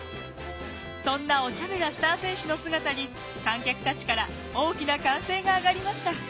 そんなおちゃめなスター選手の姿に観客たちから大きな歓声が上がりました。